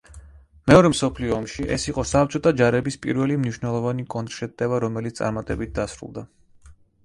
მეორე მსოფლიო ომში ეს იყო საბჭოთა ჯარების პირველი მნიშვნელოვანი კონტრშეტევა რომელიც წარმატებით დასრულდა.